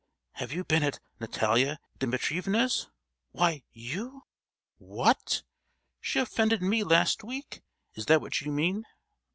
have you been at Natalia Dimitrievna's? Why, you——!" "What!—she offended me last week? is that what you you mean?